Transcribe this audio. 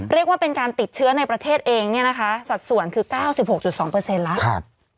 เรียกว่าเป็นการติดเชื้อในประเทศเองเนี่ยนะคะสัดส่วนคือ๙๖๒แล้ว